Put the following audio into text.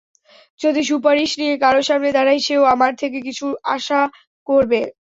যদি সুপারিশ নিয়ে কারো সামনে দাঁড়াই, সেও আমার থেকে কিছুর আশা করবে।